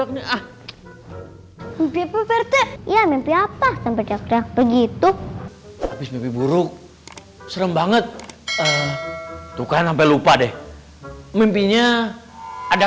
mimpi mimpi apa sampai begitu buruk serem banget tuh kan sampai lupa deh mimpinya ada